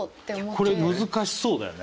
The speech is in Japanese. これ難しそうだよね。